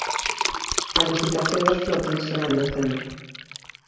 A licitación dos floteis será en decembro.